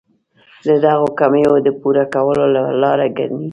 د دغو کمیو د پوره کولو لاره ګڼي.